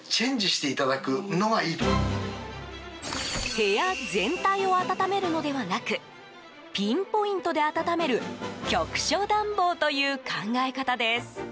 部屋全体を暖めるのではなくピンポイントで暖める局所暖房という考え方です。